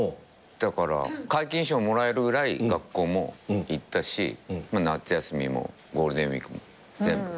だから皆勤賞もらえるぐらい学校も行ったし夏休みもゴールデンウィークも全部。